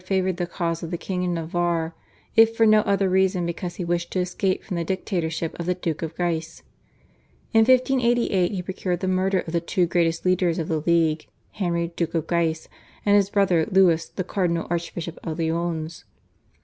favoured the cause of the King of Navarre, if for no other reason because he wished to escape from the dictatorship of the Duke of Guise. In 1588 he procured the murder of the two greatest leaders of the League, Henry Duke of Guise and his brother Louis the Cardinal archbishop of Lyons.